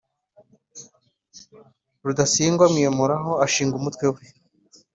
rudasingwa amwiyomoraho, ashinga umutwe we